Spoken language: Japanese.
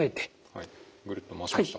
はいぐるっと回しました。